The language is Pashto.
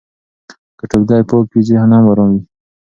که ټولګی پاک وي، ذهن هم ارام وي.